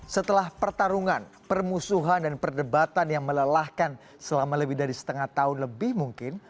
setelah pertarungan permusuhan dan perdebatan yang melelahkan selama lebih dari setengah tahun lebih mungkin